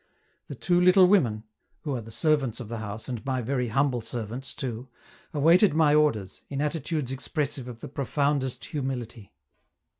The two little women (who are the servants of the house and my very humble servants, too), awaited my orders, in attitudes expressive of the profoundest humility.